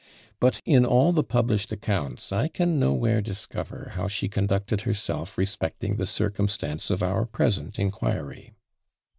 But in all the published accounts, I can nowhere discover how she conducted herself respecting the circumstance of our present inquiry.